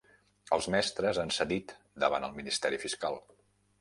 Els mestres han cedit davant el ministeri fiscal